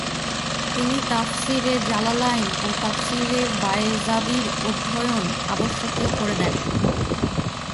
তিনি তাফসীরে জালালাইন ও তাফসীরে বায়যাবীর অধ্যয়ন আবশ্যকীয় করে দেন।